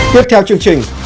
tiếp theo chương trình